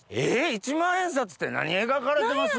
一万円札って何描かれてます？